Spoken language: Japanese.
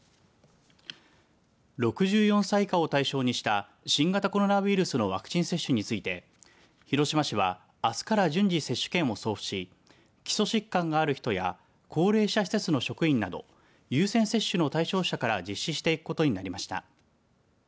６４歳以下を対象にした新型コロナウイルスのワクチン接種について広島市はあすから順次、接種券を送付し基礎疾患がある人や高齢者施設の職員など優先接種の対象者から実施していくことになりました。